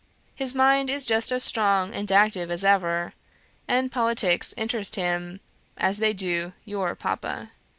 His mind is just as strong and active as ever, and politics interest him as they do YOUR papa.